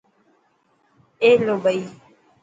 اي نو ٻئي.